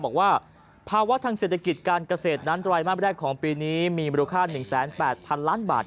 บอกว่าภาวะทางเศรษฐกิจการเกษตรนั้นไตรมาสแรกของปีนี้มีมูลค่า๑๘๐๐๐ล้านบาท